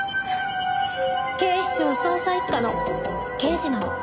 警視庁捜査一課の刑事なの。